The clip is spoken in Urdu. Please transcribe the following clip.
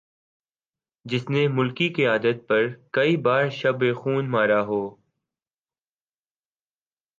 جس نے ملکی قیادت پر کئی بار شب خون مارا ہو